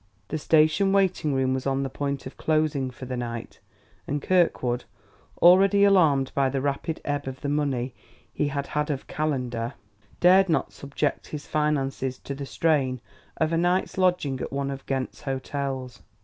The station waiting room was on the point of closing for the night, and Kirkwood, already alarmed by the rapid ebb of the money he had had of Calendar, dared not subject his finances to the strain of a night's lodging at one of Ghent's hotels.